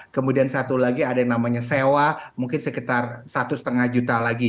kemudian satu lagi ada yang namanya sewa mungkin sekitar satu lima juta lagi